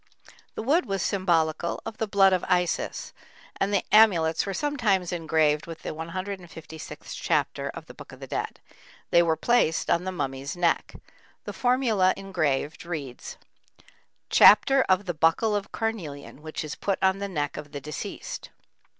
The wood was symbolical of the blood of Isis, and the amulets were sometimes engraved with the 156th chapter of the Book of the Dead; they were placed on the mummy's neck. The formula engraved reads: Chapter of the buckle of carnelian which is put on the neck of the deceased.